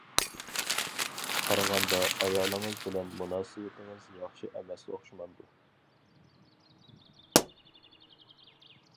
قارىغاندا ئايالىڭىز بىلەن مۇناسىۋىتىڭىز ياخشى ئەمەس ئوخشىمامدۇ.